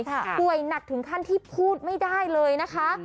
ป่วยหนักถึงขั้นที่พูดไม่ได้เลยนะคะ